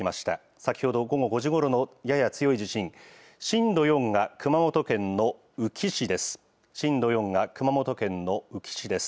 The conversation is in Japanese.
先ほど午後５時ごろのやや強い地震、震度４が熊本県の宇城市です。